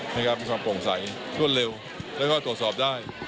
มีความโปร่งใสรวดเร็วแล้วก็ตรวจสอบได้